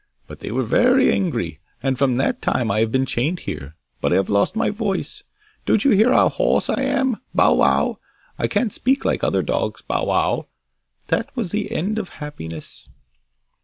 But they were very angry, and from that time I have been chained here, and I have lost my voice. Don't you hear how hoarse I am? Bow wow! I can't speak like other dogs. Bow wow! That was the end of happiness!